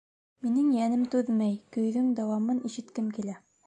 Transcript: — Минең йәнем түҙмәй, көйҙөң дауамын ишеткем килә!